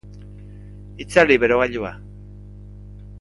Itzali berogailua.